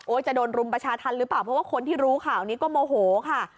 จะโดนรุมประชาธรรมหรือเปล่าเพราะว่าคนที่รู้ข่าวนี้ก็โมโหค่ะ